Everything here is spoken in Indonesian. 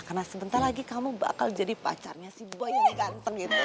karena sebentar lagi kamu bakal jadi pacarnya si boy yang ganteng gitu